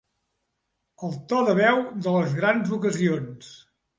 El to de veu de les grans ocasions.